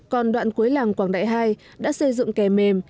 còn đoạn cuối làng quảng đại hai đã xây dựng kè mềm